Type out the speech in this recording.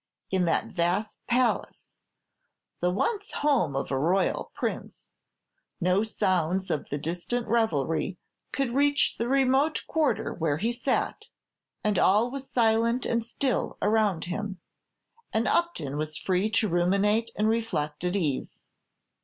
In that vast palace, the once home of a royal prince, no sounds of the distant revelry could reach the remote quarter where he sat, and all was silent and still around him, and Upton was free to ruminate and reflect at ease.